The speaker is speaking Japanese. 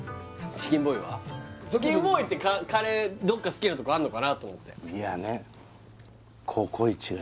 チキンボーイってカレーどっか好きなとこあんのかなと思っていやねＣｏＣｏ壱が